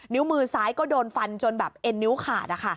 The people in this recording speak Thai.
มือซ้ายก็โดนฟันจนแบบเอ็นนิ้วขาด